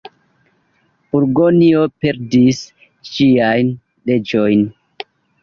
Burgonjo perdis ĝiajn leĝojn.